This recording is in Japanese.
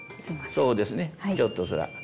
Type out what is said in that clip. そうですねちょっとそら。